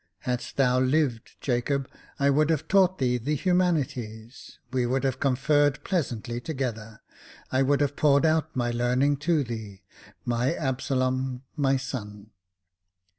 Hadst thou lived, Jacob, I would have taught thee the Humanities ; we would have conferred pleasantly together. I would have poured out my learning to thee, my Absalom, my son